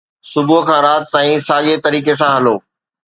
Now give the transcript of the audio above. صبح کان رات تائين ساڳئي طريقي سان هلو